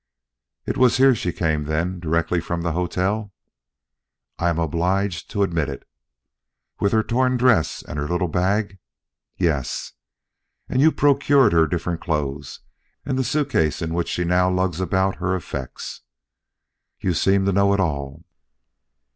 "It was here she came then, directly from the hotel?" "I am obliged to admit it." "With her torn dress and her little bag?" "Yes." "And you procured her different clothes and the suit case in which she now lugs about her effects?" "You seem to know it all."